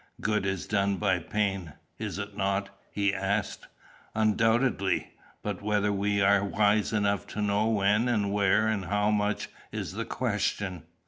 "Good is done by pain is it not?" he asked. "Undoubtedly. But whether we are wise enough to know when and where and how much, is the question."